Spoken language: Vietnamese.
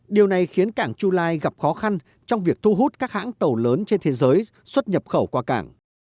điều này khiến cảng chu lai gặp khó khăn trong việc thu hút các hãng tàu lớn trên thế giới xuất nhập khẩu qua cảng